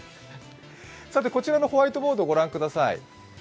こちらのホワイトボードを御覧ください。